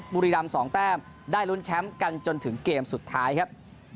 บุรีรำ๒แต้มได้ลุ้นแชมป์กันจนถึงเกมสุดท้ายครับ